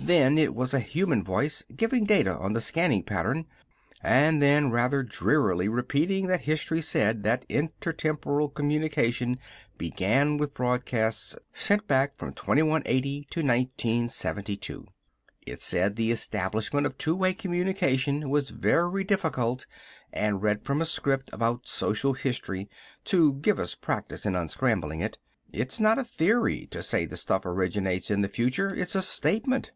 Then it was a human voice giving data on the scanning pattern and then rather drearily repeating that history said that intertemporal communication began with broadcasts sent back from 2180 to 1972. It said the establishment of two way communication was very difficult and read from a script about social history, to give us practice in unscrambling it. It's not a theory to say the stuff originates in the future. It's a statement."